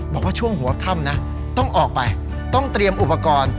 บอกว่าช่วงหัวค่ำนะต้องออกไปต้องเตรียมอุปกรณ์